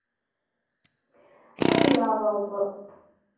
Ad yerreẓ.